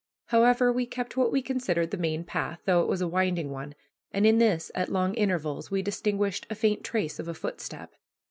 However, we kept what we considered the main path, though it was a winding one, and in this, at long intervals, we distinguished a faint trace of a footstep.